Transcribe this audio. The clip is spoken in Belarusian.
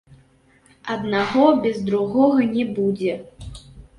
Аднаго без другога не будзе.